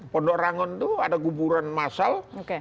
pondok rangon itu ada kuburan masal